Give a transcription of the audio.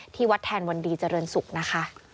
ที่วัดแทนวันดีเจริญศุกร์นะคะ